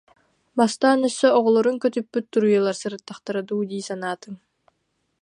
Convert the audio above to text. Бастаан өссө оҕолорун көтүппүт туруйалар сырыттахтара дуу дии санаатым